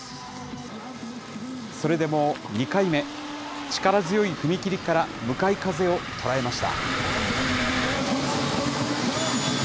それでも２回目、力強い踏み切りから向かい風を捉えました。